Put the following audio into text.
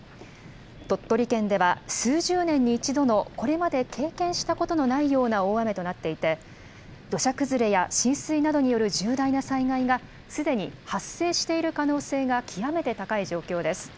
鳥取県では数十年の一度のこれまで経験したことのないような大雨となっていて、土砂崩れや浸水などによる重大な災害がすでに発生している可能性が極めて高い状況です。